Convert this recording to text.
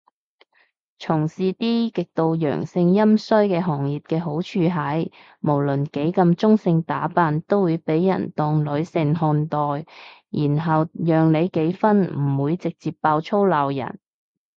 從事啲極度陽盛陰衰嘅行業嘅好處係，無論幾咁中性打扮都會被人當女性看待，然後讓你幾分唔會直接爆粗鬧人